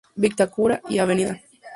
Vitacura" y "Av.